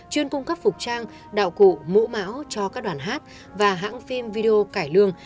chuyên cung cấp phục trang đạo cụ mũ máu cho các đoàn hát và hãng phim video cải lương